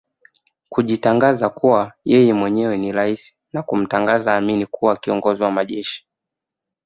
kujitangaza kuwa yeye mwenyewe ni raisi na kumtangaza Amin kuwa Kiongozi wa Majeshi